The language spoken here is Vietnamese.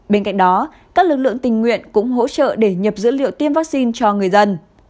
bên cạnh đó các lực lượng tình nguyện cũng hỗ trợ để nhập dữ liệu tiêm vaccine cho người dân